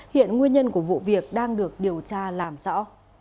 hiện nguyên nhân của vụ việc đang được điều tra làm rõ